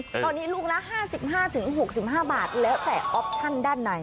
ตอนนี้ลูกละ๕๕๖๕บาทแล้วแต่ออปชั่นด้านใน